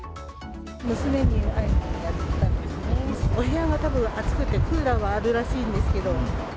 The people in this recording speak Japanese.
娘に会いにやって来たんですけど、お部屋がたぶん暑くて、クーラーはあるらしいんですけど。